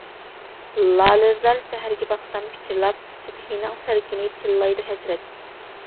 لالىزار سەھەرگە باقسام پىچىرلاپ، سۈبھىنىڭ سەلكىنى چىللايدۇ ھەسرەت.